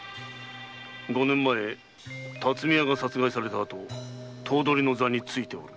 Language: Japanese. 五年前巽屋が殺害されたあと頭取の座に就いている。